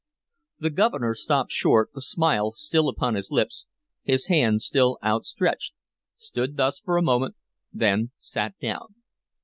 The Governor stopped short, the smile still upon his lips, his hand still outstretched, stood thus for a moment, then sat down.